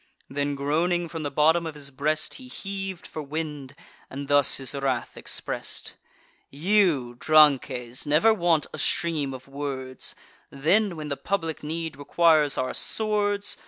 Then, groaning from the bottom of his breast, He heav'd for wind, and thus his wrath express'd: "You, Drances, never want a stream of words, Then, when the public need requires our swords.